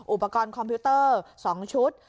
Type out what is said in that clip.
อุปกรณ์คอมพิวเตอร์๒ชุด